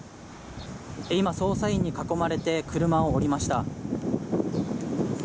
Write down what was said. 今、捜査員に囲まれて車を降りました。